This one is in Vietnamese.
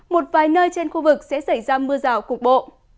một vài nơi trên khu vực sẽ xảy ra mưa rào cục bộ